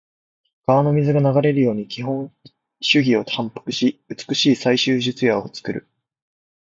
川の水が流れるように基本手技を反復し、美しい最終術野を作る。